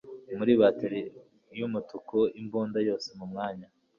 Muri bateri yumutuku imbunda yose mu mwanya